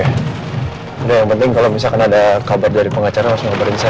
udah yang penting kalau misalkan ada kabar dari pengacara harus ngobrolin saya